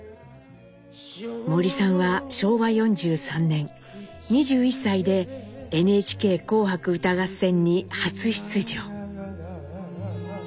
森さんは昭和４３年２１歳でＮＨＫ「紅白歌合戦」に初出場。